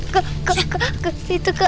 kak ke situ kak